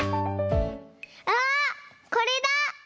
あっこれだ！